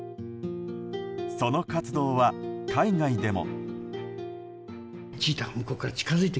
その活動は海外でも。